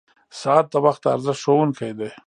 • ساعت د وخت د ارزښت ښوونکی دی.